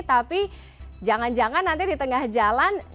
tapi jangan jangan nanti di tengah jalan